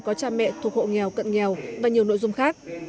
có cha mẹ thuộc hộ nghèo cận nghèo và nhiều nội dung khác